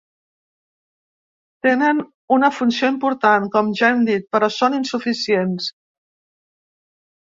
Tenen una funció important, com ja hem dit, però són insuficients.